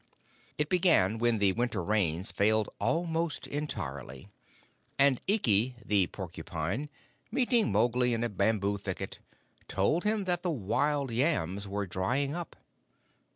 It began when the winter Rains failed almost entirely, and Ikki, the Porcupine, meeting Mowgli in a bamboo thicket, told him that the wild yams were drying up.